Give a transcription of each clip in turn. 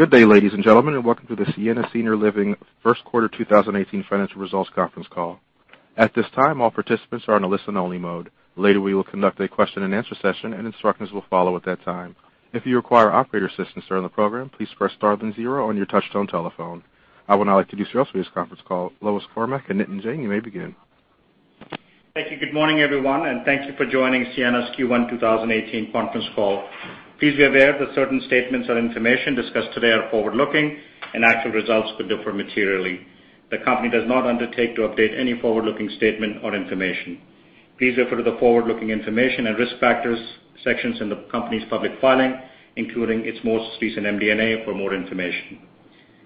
Good day, ladies and gentlemen, and welcome to the Sienna Senior Living First Quarter 2018 Financial Results Conference Call. At this time, all participants are in a listen-only mode. Later, we will conduct a question and answer session, and instructions will follow at that time. If you require operator assistance during the program, please press star then zero on your touch-tone telephone. I would now like to introduce you all to this conference call. Lois Cormack and Nitin Jain, you may begin. Thank you. Good morning, everyone, and thank you for joining Sienna's Q1 2018 conference call. Please be aware that certain statements or information discussed today are forward-looking, and actual results could differ materially. The company does not undertake to update any forward-looking statement or information. Please refer to the forward-looking information and risk factors sections in the company's public filing, including its most recent MD&A for more information.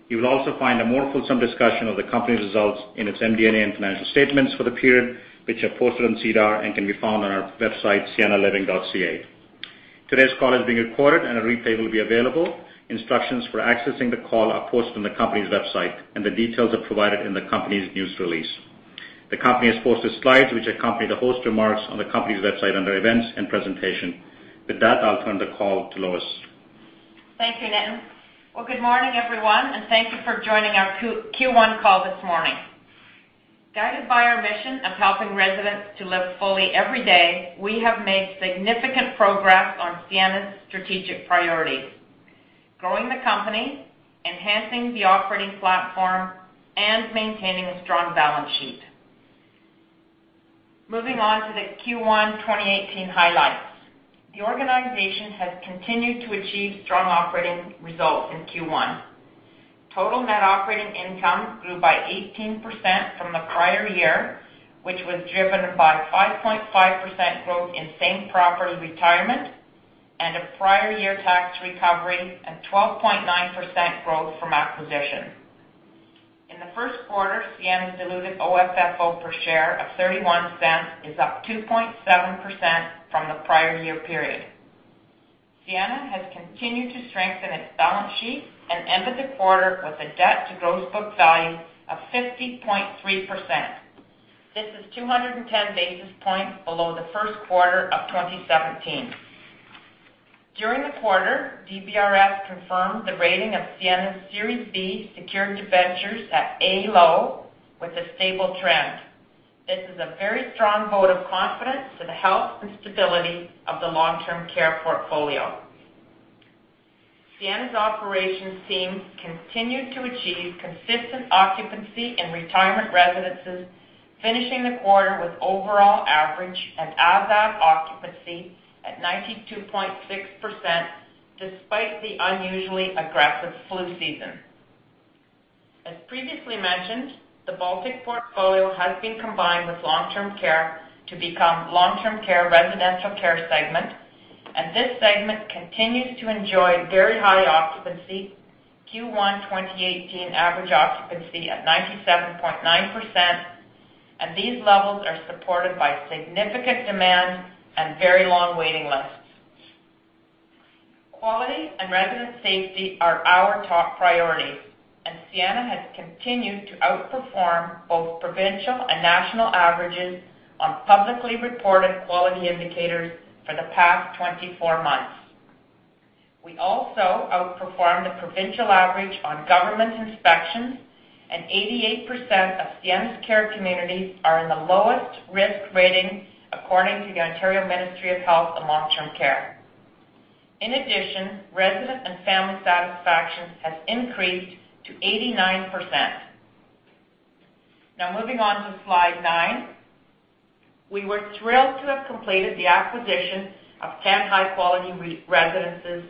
You will also find a more fulsome discussion of the company's results in its MD&A and financial statements for the period, which are posted on SEDAR and can be found on our website, siennaliving.ca. Today's call is being recorded, and a replay will be available. Instructions for accessing the call are posted on the company's website, and the details are provided in the company's news release. The company has posted slides which accompany the host remarks on the company's website under Events and Presentation. With that, I'll turn the call to Lois. Thank you, Nitin. Well, good morning, everyone, and thank you for joining our Q1 call this morning. Guided by our mission of helping residents to live fully every day, we have made significant progress on Sienna's strategic priorities, growing the company, enhancing the operating platform, and maintaining a strong balance sheet. Moving on to the Q1 2018 highlights. The organization has continued to achieve strong operating results in Q1. Total net operating income grew by 18% from the prior year, which was driven by 5.5% growth in same-property retirement and a prior year tax recovery and 12.9% growth from acquisition. In the first quarter, Sienna's diluted OFFO per share of 0.31 is up 2.7% from the prior year period. Sienna has continued to strengthen its balance sheet and ended the quarter with a debt to gross book value of 50.3%. This is 210 basis points below the first quarter of 2017. During the quarter, DBRS confirmed the rating of Sienna's Series B secured debentures at A/low with a stable trend. This is a very strong vote of confidence for the health and stability of the long-term care portfolio. Sienna's operations team continued to achieve consistent occupancy in retirement residences, finishing the quarter with overall average and as-at occupancy at 92.6%, despite the unusually aggressive flu season. As previously mentioned, the Baltic portfolio has been combined with long-term care to become long-term care residential care segment. This segment continues to enjoy very high occupancy, Q1 2018 average occupancy at 97.9%. These levels are supported by significant demand and very long waiting lists. Quality and resident safety are our top priorities. Sienna has continued to outperform both provincial and national averages on publicly reported quality indicators for the past 24 months. We also outperformed the provincial average on government inspections. 88% of Sienna's care communities are in the lowest risk rating according to the Ontario Ministry of Health and Long-Term Care. In addition, resident and family satisfaction has increased to 89%. Now, moving on to slide nine. We were thrilled to have completed the acquisition of 10 high-quality residences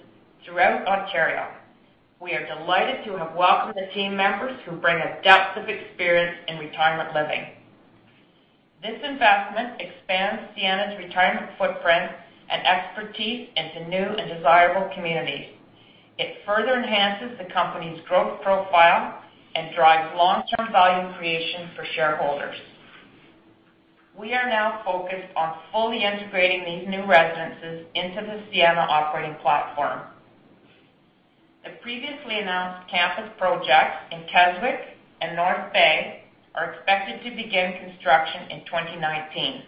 throughout Ontario. We are delighted to have welcomed the team members who bring a depth of experience in retirement living. This investment expands Sienna's retirement footprint and expertise into new and desirable communities. It further enhances the company's growth profile and drives long-term value creation for shareholders. We are now focused on fully integrating these new residences into the Sienna operating platform. The previously announced campus projects in Keswick and North Bay are expected to begin construction in 2019.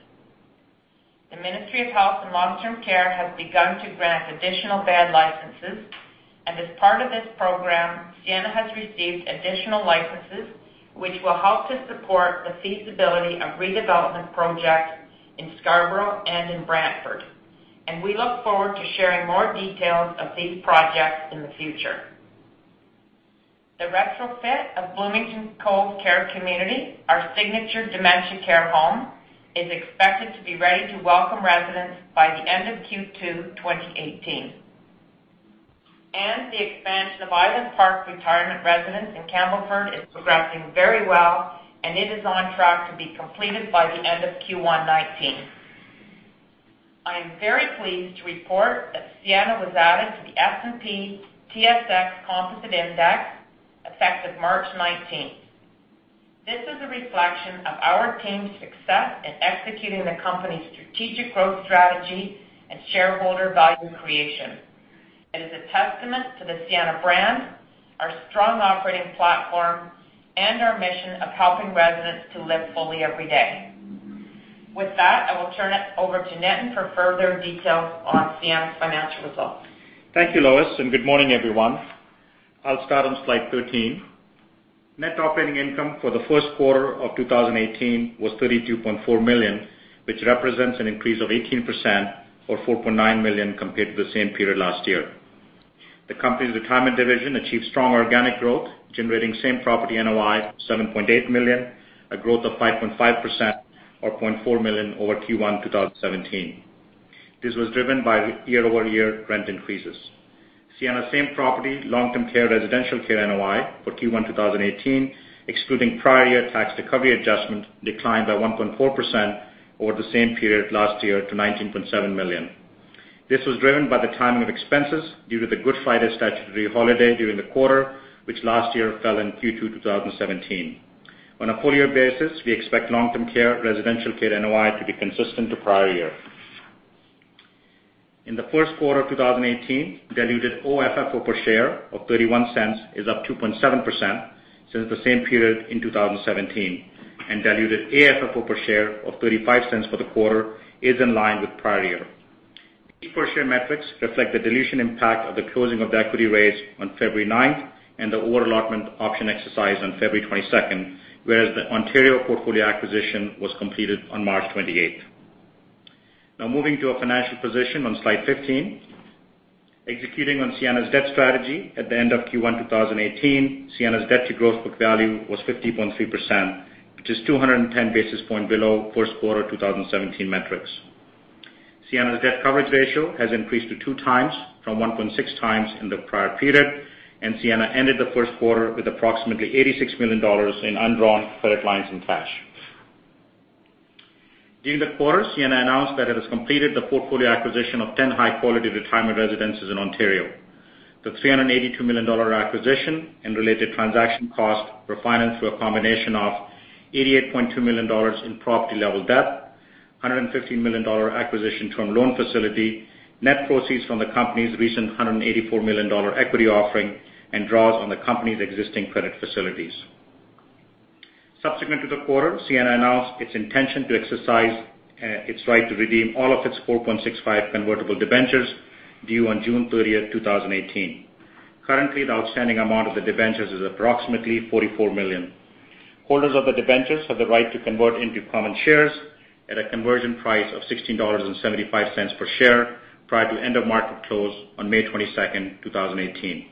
The Ministry of Health and Long-Term Care has begun to grant additional bed licenses. As part of this program, Sienna has received additional licenses, which will help to support the feasibility of redevelopment projects in Scarborough and in Brantford. We look forward to sharing more details of these projects in the future. The retrofit of Bloomington Cove Care Community, our signature dementia care home, is expected to be ready to welcome residents by the end of Q2 2018. The expansion of Island Park Retirement Residence in Campbellford is progressing very well. It is on track to be completed by the end of Q1 2019. I am very pleased to report that Sienna was added to the S&P/TSX Composite Index effective March 19th. This is a reflection of our team's success in executing the company's strategic growth strategy and shareholder value creation. It is a testament to the Sienna brand, our strong operating platform, and our mission of helping residents to live fully every day. With that, I will turn it over to Nitin for further details on Sienna's financial results. Thank you, Lois, and good morning, everyone. I'll start on slide 13. Net operating income for the first quarter of 2018 was 32.4 million, which represents an increase of 18%, or 4.9 million, compared to the same period last year. The company's retirement division achieved strong organic growth, generating same property NOI of 7.8 million, a growth of 5.5%, or 0.4 million over Q1 2017. This was driven by year-over-year rent increases. Sienna same property long-term care residential care NOI for Q1 2018, excluding prior year tax recovery adjustment, declined by 1.4% over the same period last year to 19.7 million. This was driven by the timing of expenses due to the Good Friday statutory holiday during the quarter, which last year fell in Q2 2017. On a full year basis, we expect long-term care residential care NOI to be consistent to prior year. In the first quarter of 2018, diluted OFFO per share of 0.31 is up 2.7% since the same period in 2017, and diluted AFFO per share of 0.35 for the quarter is in line with prior year. These per share metrics reflect the dilution impact of the closing of the equity raise on February 9th and the over-allotment option exercise on February 22nd, whereas the Ontario portfolio acquisition was completed on March 28th. Moving to our financial position on slide 15. Executing on Sienna's debt strategy at the end of Q1 2018, Sienna's debt to gross book value was 50.3%, which is 210 basis points below first quarter 2017 metrics. Sienna's debt coverage ratio has increased to two times from 1.6 times in the prior period, and Sienna ended the first quarter with approximately 86 million dollars in undrawn credit lines and cash. During the quarter, Sienna announced that it has completed the portfolio acquisition of 10 high-quality retirement residences in Ontario. The 382 million dollar acquisition and related transaction cost were financed through a combination of 88.2 million dollars in property-level debt, 150 million dollar acquisition term loan facility, net proceeds from the company's recent 184 million dollar equity offering, and draws on the company's existing credit facilities. Subsequent to the quarter, Sienna announced its intention to exercise its right to redeem all of its 4.65% convertible debentures, due on June 30th, 2018. Currently, the outstanding amount of the debentures is approximately 44 million. Holders of the debentures have the right to convert into common shares at a conversion price of 16.75 dollars per share, prior to end of market close on May 22nd, 2018.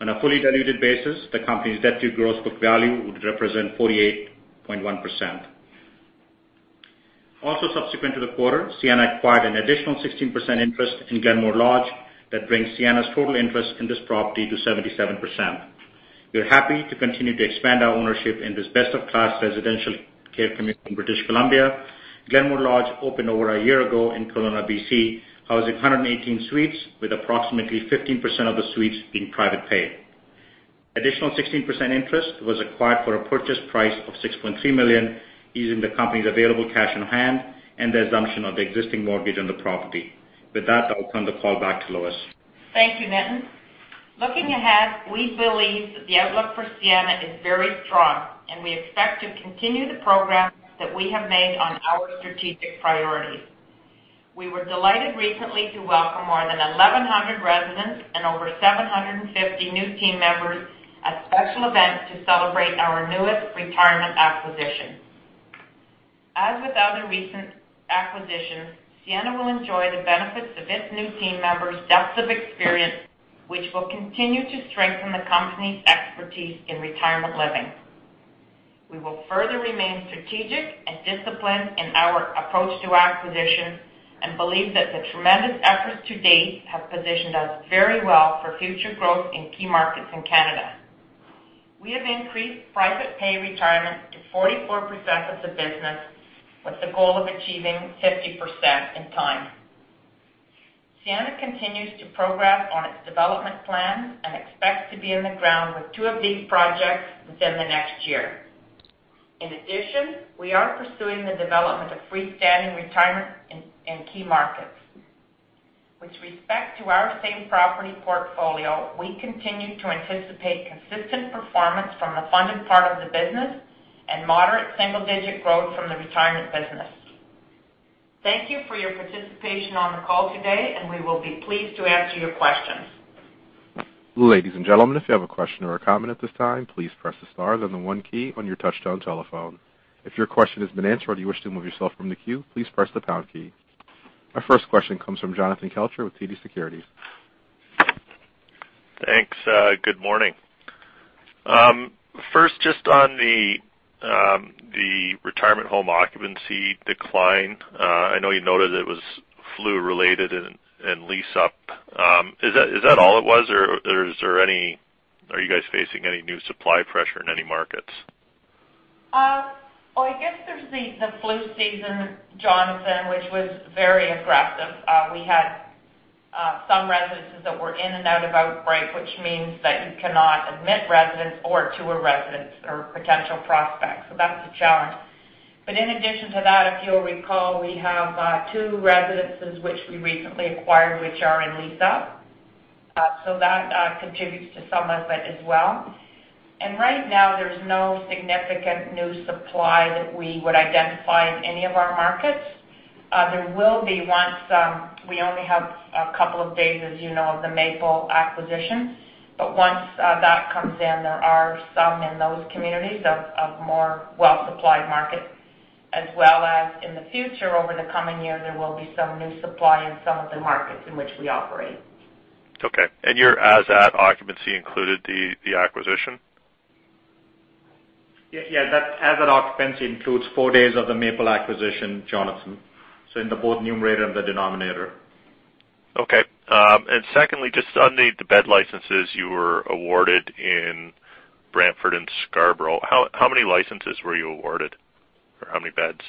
On a fully diluted basis, the company's debt to gross book value would represent 48.1%. Subsequent to the quarter, Sienna acquired an additional 16% interest in Glenmore Lodge. That brings Sienna's total interest in this property to 77%. We are happy to continue to expand our ownership in this best of class residential care community in British Columbia. Glenmore Lodge opened over a year ago in Kelowna, BC, housing 118 suites, with approximately 15% of the suites being private pay. Additional 16% interest was acquired for a purchase price of 6.3 million, using the company's available cash on hand and the assumption of the existing mortgage on the property. With that, I'll turn the call back to Lois. Thank you, Nitin. Looking ahead, we believe that the outlook for Sienna is very strong, and we expect to continue the progress that we have made on our strategic priorities. We were delighted recently to welcome more than 1,100 residents and over 750 new team members, a special event to celebrate our newest retirement acquisition. As with other recent acquisitions, Sienna will enjoy the benefits of its new team members' depths of experience, which will continue to strengthen the company's expertise in retirement living. We will further remain strategic and disciplined in our approach to acquisitions and believe that the tremendous efforts to date have positioned us very well for future growth in key markets in Canada. We have increased private pay retirement to 44% of the business, with the goal of achieving 50% in time. Sienna continues to progress on its development plans and expects to be in the ground with two of these projects within the next year. In addition, we are pursuing the development of freestanding retirement in key markets. With respect to our same property portfolio, we continue to anticipate consistent performance from the funded part of the business and moderate single-digit growth from the retirement business. Thank you for your participation on the call today, and we will be pleased to answer your questions. Ladies and gentlemen, if you have a question or a comment at this time, please press the star then the one key on your touchtone telephone. If your question has been answered or you wish to remove yourself from the queue, please press the pound key. Our first question comes from Jonathan Kelcher with TD Securities. Thanks. Good morning. First, just on the retirement home occupancy decline, I know you noted it was flu related and lease up. Is that all it was, or are you guys facing any new supply pressure in any markets? Well, I guess there is the flu season, Jonathan, which was very aggressive. We had some residences that were in and out of outbreak, which means that you cannot admit residents or tour residents or potential prospects, so that was a challenge. In addition to that, if you will recall, we have two residences which we recently acquired, which are in lease up. That contributes to some of it as well. Right now, there is no significant new supply that we would identify in any of our markets. There will be once, we only have a couple of days, as you know, of the Maple acquisition. Once that comes in, there are some in those communities of more well-supplied markets, as well as in the future, over the coming year, there will be some new supply in some of the markets in which we operate. Okay, your as-at occupancy included the acquisition? Yeah. That as-at occupancy includes four days of the Maple acquisition, Jonathan. In both numerator and the denominator. Okay. Secondly, just on the bed licenses you were awarded in Brantford and Scarborough, how many licenses were you awarded, or how many beds?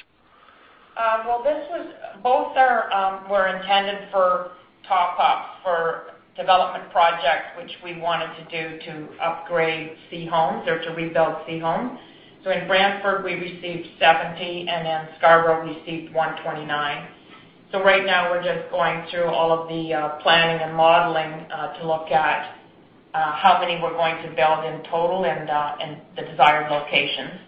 Both were intended for top up for development projects, which we wanted to do to upgrade C homes or to rebuild C homes. In Brantford, we received 70, and then Scarborough received 129. Right now we're just going through all of the planning and modeling to look at how many we're going to build in total and the desired locations.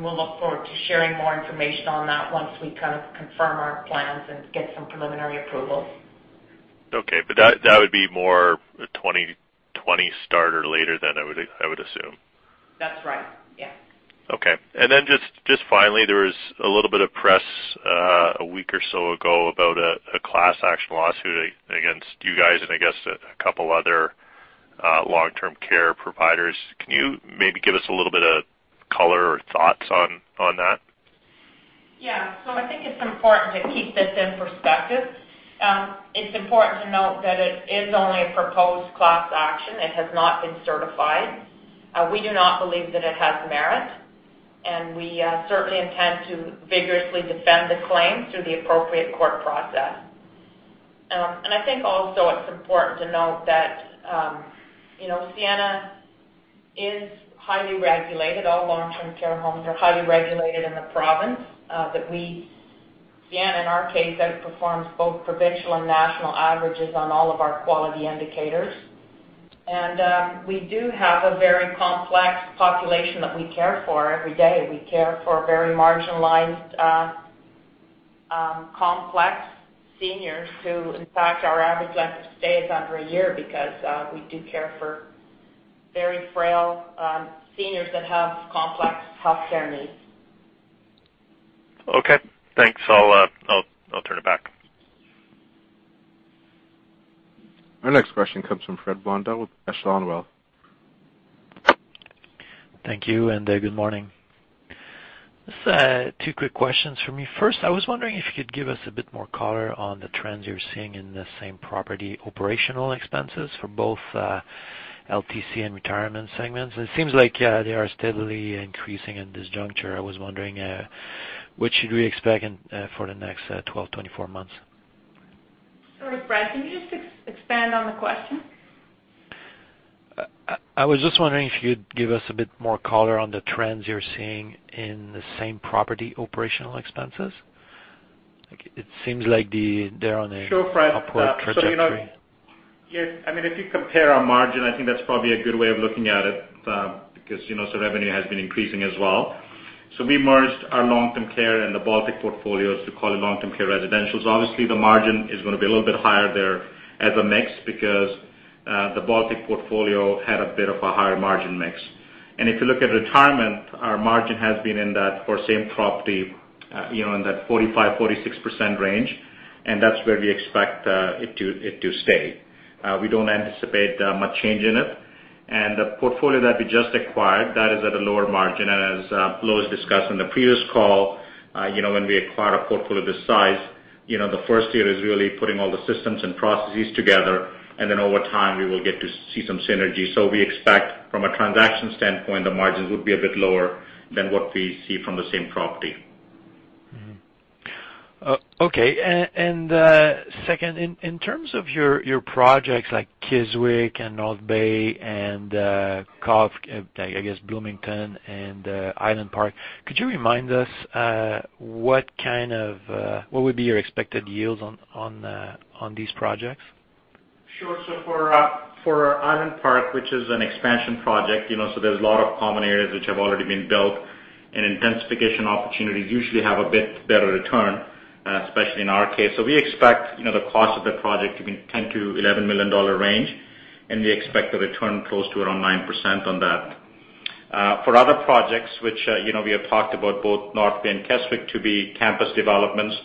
We'll look forward to sharing more information on that once we kind of confirm our plans and get some preliminary approvals. That would be more a 2020 start or later then, I would assume. That's right. Yeah. Just finally, there was a little bit of press a week or so ago about a class action lawsuit against you guys and I guess a couple other long-term care providers. Can you maybe give us a little bit of color or thoughts on that? Yeah. I think it's important to keep this in perspective. It's important to note that it is only a proposed class action. It has not been certified. We do not believe that it has merit, and we certainly intend to vigorously defend the claim through the appropriate court process. I think also it's important to note that Sienna is highly regulated. All long-term care homes are highly regulated in the province. Sienna, in our case, outperforms both provincial and national averages on all of our quality indicators. We do have a very complex population that we care for every day. We care for very marginalized, complex seniors who, in fact, our average length of stay is under a year because we do care for very frail seniors that have complex healthcare needs. Okay. Thanks. I'll turn it back. Our next question comes from Fred Blondeau with Desjardins. Thank you. Good morning. Just two quick questions from me. First, I was wondering if you could give us a bit more color on the trends you're seeing in the same property operational expenses for both LTC and retirement segments. It seems like they are steadily increasing in this juncture. I was wondering, what should we expect for the next 12, 24 months? Sorry, Fred, can you just expand on the question? I was just wondering if you'd give us a bit more color on the trends you're seeing in the same property operational expenses. It seems like they're on an- Sure, Fred. Upward trajectory. If you compare our margin, I think that's probably a good way of looking at it, because revenue has been increasing as well. We merged our long-term care and the Baltic portfolios. We call it long-term care residentials. Obviously, the margin is going to be a little bit higher there as a mix because the Baltic portfolio had a bit of a higher margin mix. If you look at retirement, our margin has been in that, for same property, in that 45%-46% range, and that's where we expect it to stay. We don't anticipate much change in it. The portfolio that we just acquired, that is at a lower margin, as Lois discussed on the previous call. When we acquire a portfolio this size, the first year is really putting all the systems and processes together, and then over time, we will get to see some synergy. We expect from a transaction standpoint, the margins would be a bit lower than what we see from the same property. Okay. Second, in terms of your projects like Keswick and North Bay and I guess Bloomington and Island Park, could you remind us, what would be your expected yields on these projects? Sure. For Island Park, which is an expansion project, so there's a lot of common areas which have already been built and intensification opportunities usually have a bit better return, especially in our case. We expect the cost of the project to be 10 million-11 million dollar range, and we expect the return close to around 9% on that. For other projects, which we have talked about both North Bay and Keswick to be campus developments,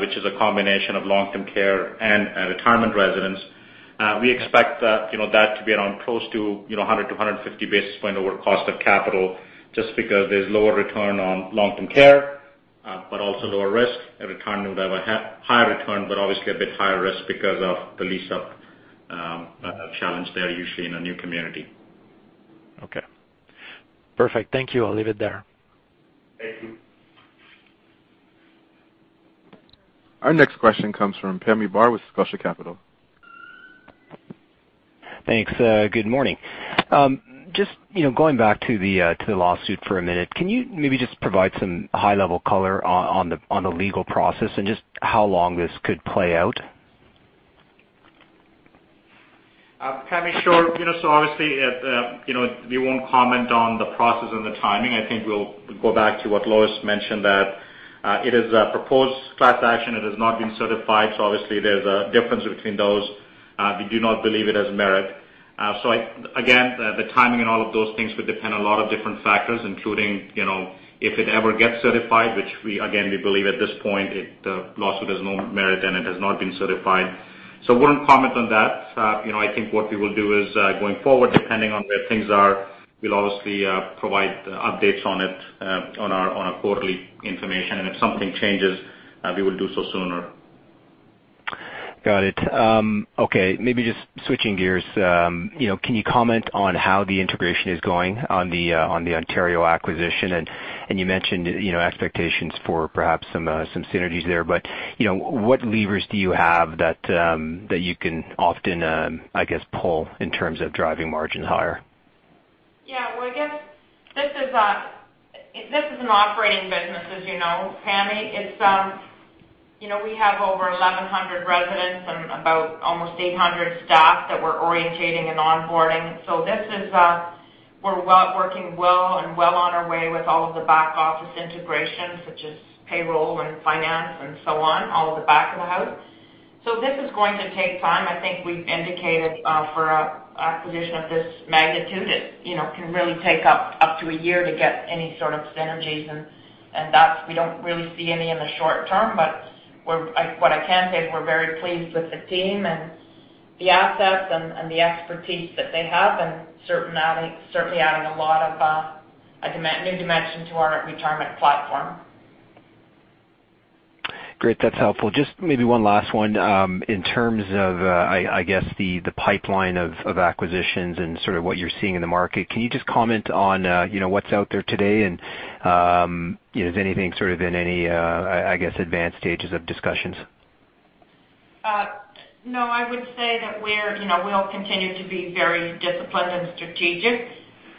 which is a combination of long-term care and retirement residences. We expect that to be around close to 100 to 150 basis points over cost of capital just because there's lower return on long-term care, but also lower risk. A retirement would have a higher return, but obviously a bit higher risk because of the lease-up challenge there usually in a new community. Okay. Perfect. Thank you. I'll leave it there. Thank you. Our next question comes from Pammi Bir with Scotiabank. Thanks. Good morning. Just going back to the lawsuit for a minute, can you maybe just provide some high-level color on the legal process and just how long this could play out? Pammi, sure. Obviously, we won't comment on the process and the timing. I think we'll go back to what Lois mentioned, that it is a proposed class action. It has not been certified. Obviously, there's a difference between those. We do not believe it has merit. Again, the timing and all of those things would depend on a lot of different factors, including, if it ever gets certified, which again, we believe at this point, the lawsuit has no merit, and it has not been certified. I won't comment on that. I think what we will do is, going forward, depending on where things are, we'll obviously provide updates on it on our quarterly information, and if something changes, we will do so sooner. Got it. Okay, maybe just switching gears, can you comment on how the integration is going on the Ontario acquisition? You mentioned expectations for perhaps some synergies there, but what levers do you have that you can often, I guess, pull in terms of driving margins higher? Yeah. Well, I guess this is an operating business, as you know, Pammi. We have over 1,100 residents and about almost 800 staff that we're orientating and onboarding. We're working well and well on our way with all of the back-office integration, such as payroll and finance and so on, all of the back of the house. This is going to take time. I think we've indicated for an acquisition of this magnitude, it can really take up to a year to get any sort of synergies. We don't really see any in the short term, but what I can say is we're very pleased with the team and the assets and the expertise that they have and certainly adding a lot of a new dimension to our retirement platform. Great. That's helpful. Just maybe one last one. In terms of, I guess the pipeline of acquisitions and sort of what you're seeing in the market, can you just comment on what's out there today and, is anything sort of in any, I guess, advanced stages of discussions? No, I would say that we'll continue to be very disciplined and strategic.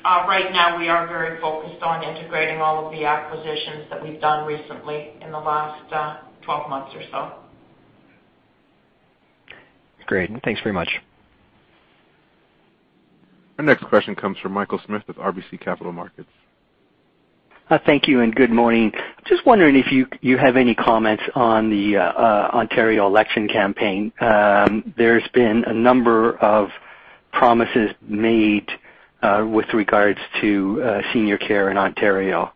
Right now, we are very focused on integrating all of the acquisitions that we've done recently in the last 12 months or so. Great, thanks very much. Our next question comes from Michael Smith with RBC Capital Markets. Thank you, good morning. Just wondering if you have any comments on the Ontario election campaign. There's been a number of promises made, with regards to senior care in Ontario.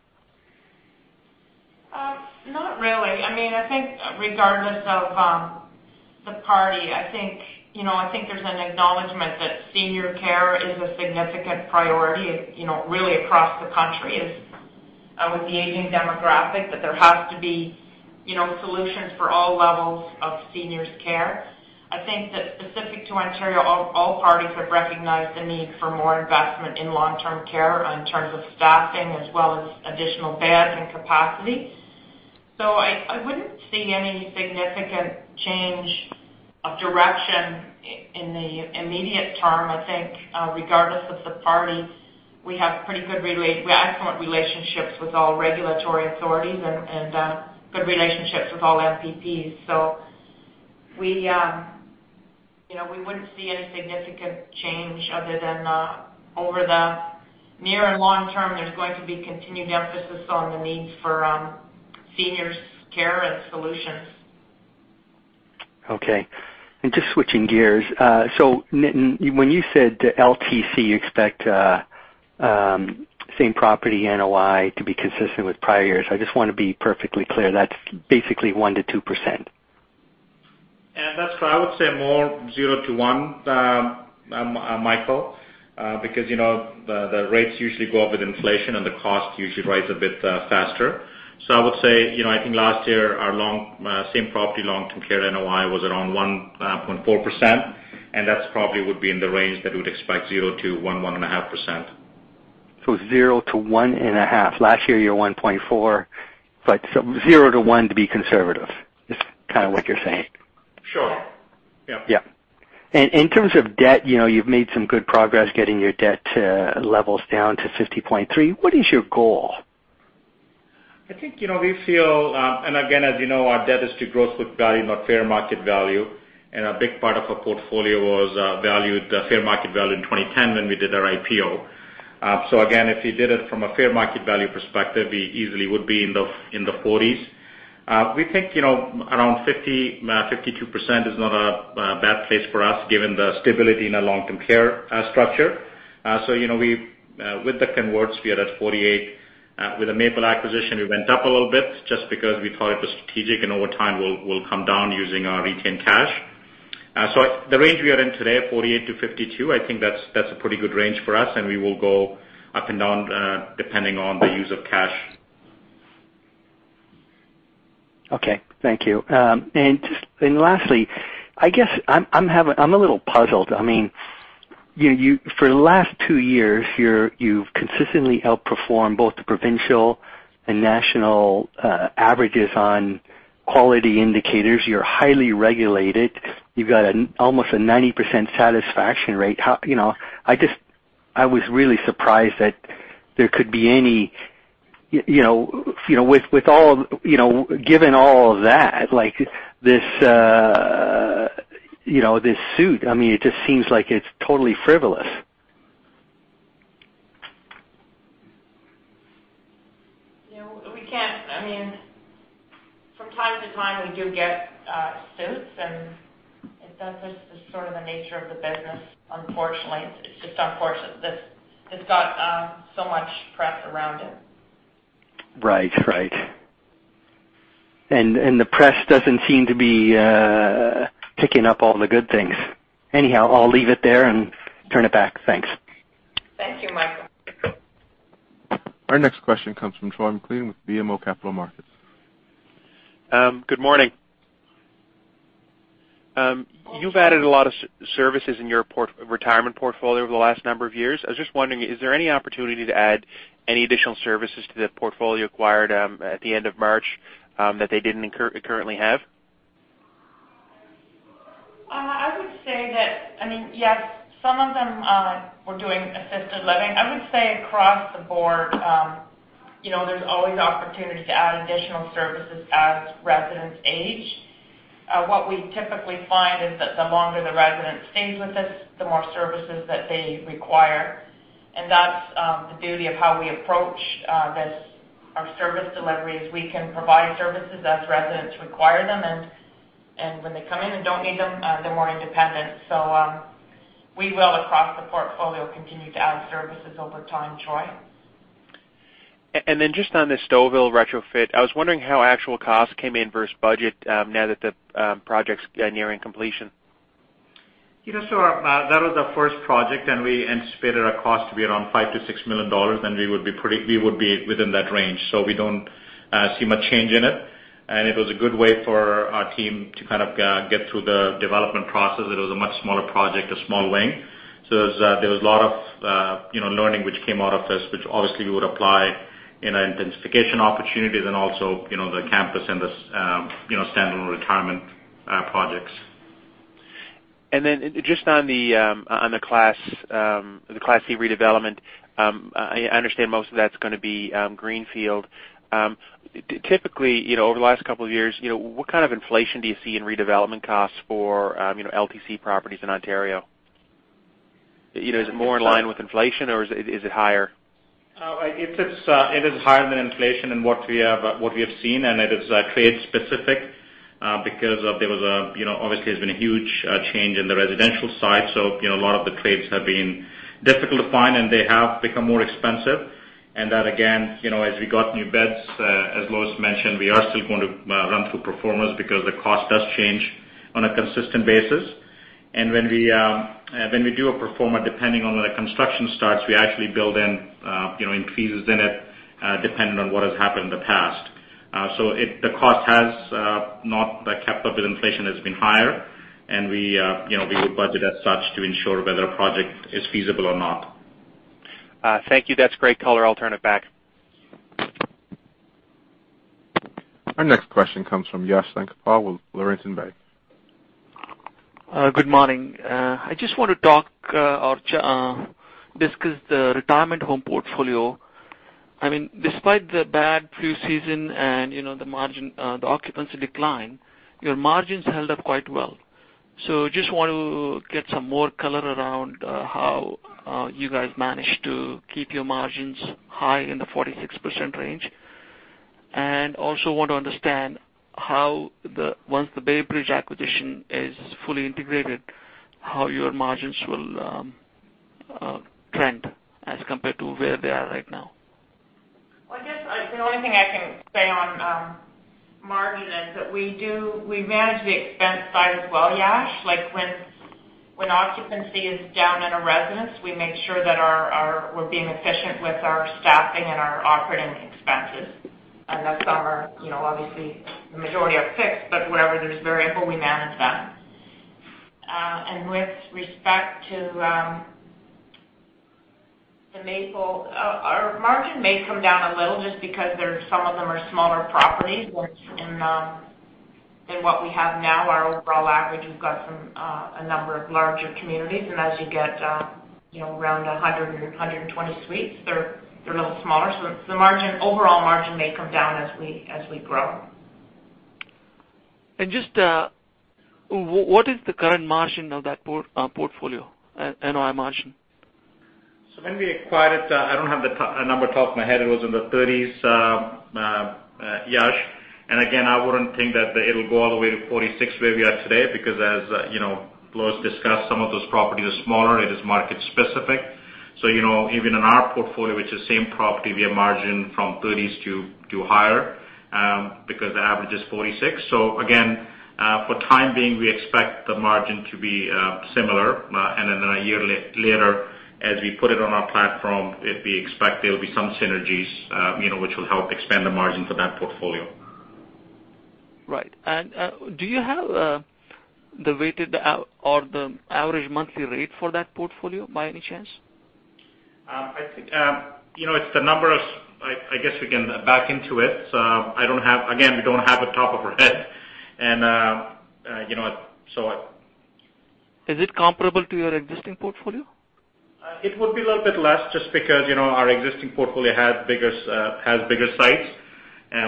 Not really. I think regardless of the party, I think there's an acknowledgment that senior care is a significant priority, really across the country with the aging demographic, that there has to be solutions for all levels of seniors care. I think that specific to Ontario, all parties have recognized the need for more investment in long-term care in terms of staffing as well as additional beds and capacity. I wouldn't see any significant change of direction in the immediate term. I think, regardless of the party, we have excellent relationships with all regulatory authorities and good relationships with all MPPs. We wouldn't see any significant change other than, over the near and long term, there's going to be continued emphasis on the need for seniors care and solutions. Okay. Just switching gears. Nitin, when you said LTC, you expect same property NOI to be consistent with prior years. I just want to be perfectly clear. That's basically 1%-2%. That's correct. I would say more 0%-1%, Michael, because the rates usually go up with inflation, and the cost usually rise a bit faster. I would say, I think last year, our same property long-term care NOI was around 1.4%, and that probably would be in the range that we would expect, 0%-1%, 1.5%. 0%-1.5%. Last year, you were 1.4%, 0%-1% to be conservative, is kind of what you're saying. Sure. Yep. In terms of debt, you've made some good progress getting your debt levels down to 50.3%. What is your goal? I think, we feel, again, as you know, our debt to gross book value, not fair market value. A big part of our portfolio was valued fair market value in 2010 when we did our IPO. Again, if you did it from a fair market value perspective, we easily would be in the 40s. We think, around 50%-52% is not a bad place for us given the stability in our long-term care structure. With the converts, we are at 48%. With the Maple acquisition, we went up a little bit just because we thought it was strategic, and over time, we'll come down using our retained cash. The range we are in today, 48%-52%, I think that's a pretty good range for us, and we will go up and down, depending on the use of cash. Okay. Thank you. Lastly, I guess, I mean, for the last two years, you've consistently outperformed both the provincial and national averages on quality indicators. You're highly regulated. You've got almost a 90% satisfaction rate. I was really surprised that given all of that, this suit, it just seems like it's totally frivolous. From time to time, we do get suits, and that's just the nature of the business, unfortunately. It's just unfortunate that it's got so much press around it. Right. The press doesn't seem to be picking up all the good things. Anyhow, I'll leave it there and turn it back. Thanks. Thank you, Michael. Our next question comes from Troy MacLean with BMO Capital Markets. Good morning. You've added a lot of services in your retirement portfolio over the last number of years. I was just wondering, is there any opportunity to add any additional services to the portfolio acquired at the end of March that they didn't currently have? I would say that, yes, some of them were doing assisted living. I would say across the board, there's always opportunity to add additional services as residents age. What we typically find is that the longer the resident stays with us, the more services that they require. That's the beauty of how we approach our service delivery, is we can provide services as residents require them, and when they come in and don't need them, they're more independent. We will, across the portfolio, continue to add services over time, Troy. Then just on the Stouffville retrofit, I was wondering how actual costs came in versus budget now that the project's nearing completion. That was our first project, and we anticipated our cost to be around 5 million-6 million dollars, and we would be within that range. We don't see much change in it. It was a good way for our team to get through the development process. It was a much smaller project, a small wing. There was a lot of learning which came out of this, which obviously we would apply in intensification opportunities and also, the campus and the standalone retirement projects. Just on the Class C redevelopment, I understand most of that's going to be greenfield. Typically, over the last couple of years, what kind of inflation do you see in redevelopment costs for LTC properties in Ontario? Is it more in line with inflation, or is it higher? It is higher than inflation in what we have seen, and it is trade specific, because obviously there's been a huge change in the residential side. A lot of the trades have been difficult to find, and they have become more expensive. Again, as we got new beds, as Lois mentioned, we are still going to run through pro formas because the cost does change on a consistent basis. When we do a pro forma, depending on when the construction starts, we actually build in increases in it, depending on what has happened in the past. The cost has not kept up with inflation, it has been higher. We would budget as such to ensure whether a project is feasible or not. Thank you. That's great color. I'll turn it back. Our next question comes from Yashwant Sankapal with Laurentian Bank. Good morning. I just want to talk or discuss the retirement home portfolio. Despite the bad flu season and the occupancy decline, your margins held up quite well. Just want to get some more color around how you guys managed to keep your margins high in the 46% range, and also want to understand how, once the BayBridge acquisition is fully integrated, how your margins will trend as compared to where they are right now. Well, I guess the only thing I can say on margin is that we manage the expense side as well, Yash. Like when occupancy is down in a residence, we make sure that we're being efficient with our staffing and our operating expenses. Some are, obviously, the majority are fixed, but whatever there's variable, we manage that. With respect to the Maple, our margin may come down a little just because some of them are smaller properties than what we have now. Our overall average, we've got a number of larger communities, and as you get around 100 or 120 suites, they're a little smaller. The overall margin may come down as we grow. Just, what is the current margin of that portfolio, NOI margin? When we acquired it, I don't have the number off the top of my head. It was in the 30s, Yash. Again, I wouldn't think that it'll go all the way to 46, where we are today, because as Lois discussed, some of those properties are smaller. It is market specific. Even in our portfolio, which is the same property, we have margin from 30s to higher, because the average is 46. Again, for the time being, we expect the margin to be similar. Then a year later, as we put it on our platform, we expect there'll be some synergies, which will help expand the margin for that portfolio. Right. Do you have the weighted or the average monthly rate for that portfolio, by any chance? I guess we can back into it. Again, we don't have it off the top of our head. Is it comparable to your existing portfolio? It would be a little bit less just because our existing portfolio has bigger sites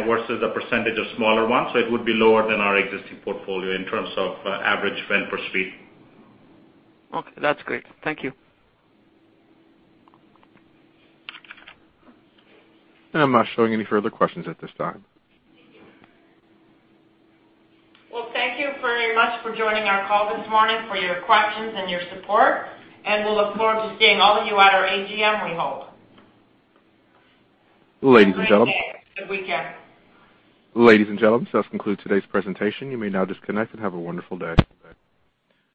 versus a percentage of smaller ones. It would be lower than our existing portfolio in terms of average rent per suite. Okay. That's great. Thank you. I'm not showing any further questions at this time. Thank you. Thank you very much for joining our call this morning, for your questions and your support. We'll look forward to seeing all of you at our AGM, we hope. Ladies and gentlemen. Have a great day. Good weekend. Ladies and gentlemen, this concludes today's presentation. You may now disconnect. Have a wonderful day.